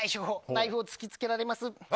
ナイフを突きつけられます。